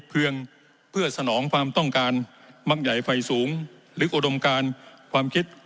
เพียงเพื่อสนองความต้องการมักใหญ่ไฟสูงหรืออุดมการความคิด